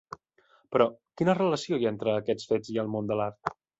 Però, quina relació hi ha entre aquests fets i el món de l'art?